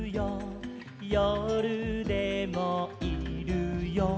「よるでもいるよ」